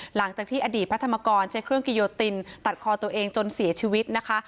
หลังจากที่อดีตพระธรรมกรใช้เครื่องกิโยตินตัดคอตัวเองจนเสียชีวิตนะคะ